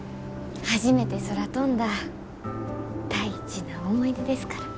初めて空飛んだ大事な思い出ですから。